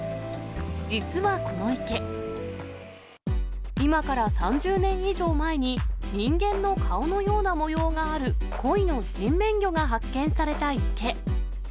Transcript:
実はこの池、今から３０年以上前に、人間の顔のような模様があるコイの人面魚が発見された池。